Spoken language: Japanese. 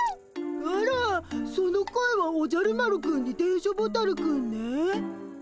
あらその声はおじゃる丸くんに電書ボタルくんね？